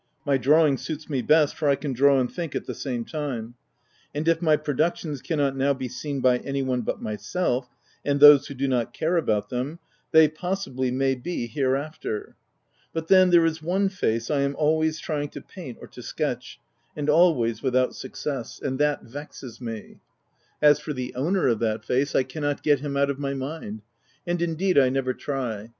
My drawing suits me best, for I can draw and think at the same time ; and if my productions can not now be seen by any one but myself and those who do not care about them, they, possi bly, may be, hereafter. But then, there is one face I am always trying to paint or to sketch, and alwaj's without success ; and that vexes me. As for the owner of that face. I cannot get him out of my mind — and, indeed, 1 never try.